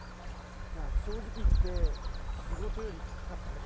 いや正直言って仕事よりきつかったです。